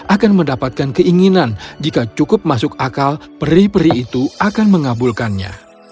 akan mendapatkan keinginan jika cukup masuk akal perih peri itu akan mengabulkannya